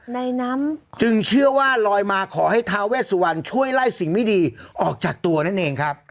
ในน้ำจึงเชื่อว่าลอยมาขอให้ทาเวสวรรณช่วยไล่สิ่งไม่ดีออกจากตัวนั่นเองครับ